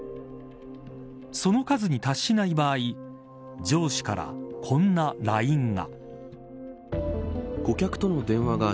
その数に達しない場合上司からこんなＬＩＮＥが。